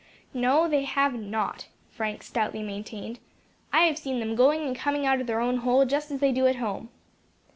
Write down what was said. "No, they have not," Frank stoutly maintained. "I have seen them going and coming out of their own hole just as they do at home."